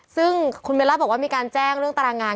ซึ่งคุณเบลล่าบอกว่ามีการแจ้งเรื่องตารางงาน